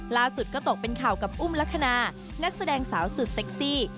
ล่าสุดก็ตกเป็นข่าวกับอุ้มลักษณะนักแสดงสาวสุดเซ็กซี่